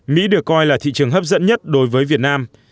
mỹ được coi là thị trường hấp dẫn nhất đối với việt nam